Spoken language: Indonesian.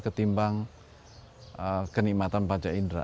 ketimbang kenikmatan panca indera